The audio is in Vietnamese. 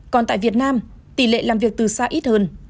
còn tại việt nam tỷ lệ làm việc từ xa ít hơn